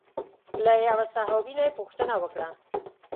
له یوه صحابي نه یې پوښتنه وکړه.